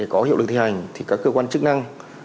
có hiệu lực thi hành thì các cơ quan chức năng